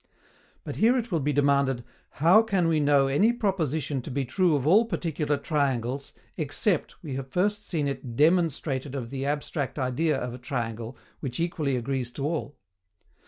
But here it will be demanded, HOW WE CAN KNOW ANY PROPOSITION TO BE TRUE OF ALL PARTICULAR TRIANGLES, EXCEPT we have first seen it DEMONSTRATED OF THE ABSTRACT IDEA OF A TRIANGLE which equally agrees to all?